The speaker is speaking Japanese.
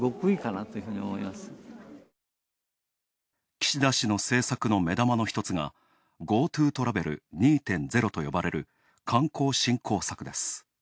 岸田氏の政策の目玉の一つがＧｏＴｏトラベル２．０と呼ばれる観光振興策です。